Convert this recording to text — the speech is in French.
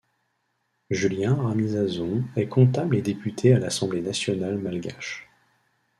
Julien Ramizason est comptable et député à l'Assemblée nationale malgache.